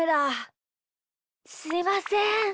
すいません。